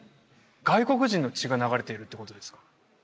外国人の血が流れているってことですか？